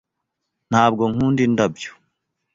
Ntabwo nkunda indabyo.